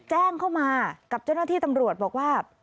แจ้งเข้ามากับเจ้าหน้าที่ตำรวจบอกว่า